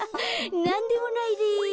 なんでもないです。